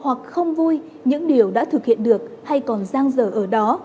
hoặc không vui những điều đã thực hiện được hay còn giang dở ở đó